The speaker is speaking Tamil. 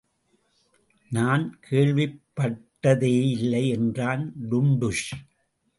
நான் கேள்விப்பட்டதேயில்லை என்றான் டுன்டுஷ்.